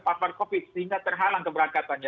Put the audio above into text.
papar covid sehingga terhalang keberangkatannya